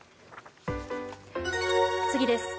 次です。